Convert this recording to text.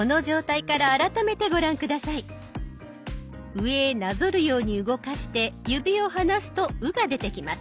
上へなぞるように動かして指を離すと「う」が出てきます。